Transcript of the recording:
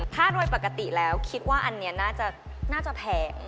ถ้าโดยปกติแล้วคิดว่าอันนี้น่าจะแพง